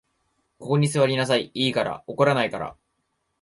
ここに坐りなさい、いいから。怒らないから。